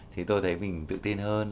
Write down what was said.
thì tôi thấy mình tự tin hơn